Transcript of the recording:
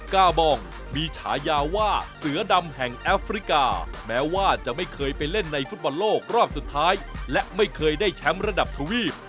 กาบองมีฉายาว่าเสือดำแห่งแอฟริกาแม้ว่าจะไม่เคยไปเล่นในฟุตบอลโลกรอบสุดท้ายและไม่เคยได้แชมป์ระดับทวีป